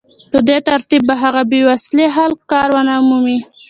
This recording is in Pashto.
په دې ترتیب به هغه بې وسيلې خلک کار ونه مومي